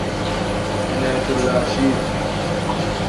عنایت اللہ اسیرؔ ؔ